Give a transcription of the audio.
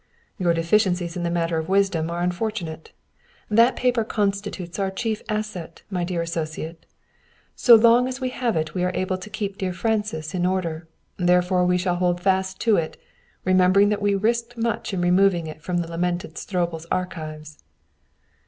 "Your deficiencies in the matter of wisdom are unfortunate. That paper constitutes our chief asset, my dear associate. So long as we have it we are able to keep dear Francis in order. Therefore we shall hold fast to it, remembering that we risked much in removing it from the lamented Stroebel's archives."